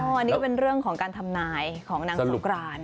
อันนี้ก็เป็นเรื่องของการทำนายของนางสงกราน